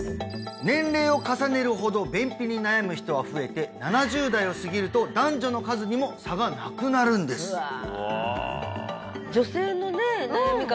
年齢を重ねるほど便秘に悩む人は増えて７０代を過ぎると男女の数にも差がなくなるんですうわ